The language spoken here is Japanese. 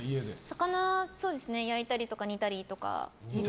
魚は、焼いたりとか煮たりとか。